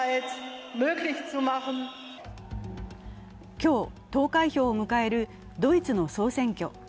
今日、投開票を迎えるドイツの総選挙。